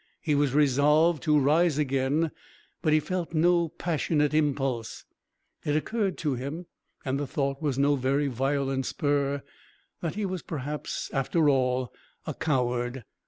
He was resolved to rise again, but he felt no passionate impulse. It occurred to him and the thought was no very violent spur that he was perhaps after all a coward.